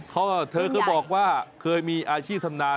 เธอก็บอกว่าเคยมีอาชีพทำนาน